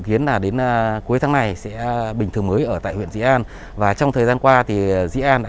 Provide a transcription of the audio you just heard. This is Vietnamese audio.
dự kiến là đến cuối tháng này sẽ bình thường mới ở tại huyện dĩ an và trong thời gian qua thì dĩ an đã